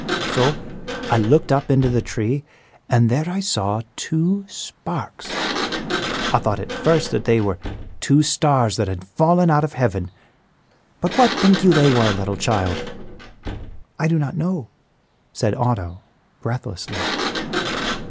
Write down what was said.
So I looked up into the tree, and there I saw two sparks. I thought at first that they were two stars that had fallen out of heaven; but what think you they were, little child?" "I do not know," said Otto, breathlessly.